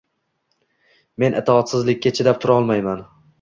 Men itoatsizlikka chidab turolmayman.